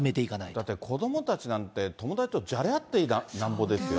だって、子どもたちなんてともだちとじゃれ合ってなんぼですよ。